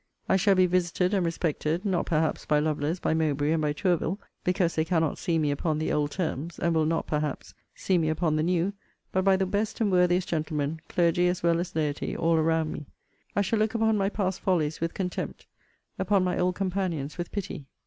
I shall be visited and respected, not perhaps by Lovelace, by Mowbray, and by Tourville, because they cannot see me upon the old terms, and will not, perhaps, see me upon the new, but by the best and worthiest gentlemen, clergy as well as laity, all around me. I shall look upon my past follies with contempt: upon my old companions with pity.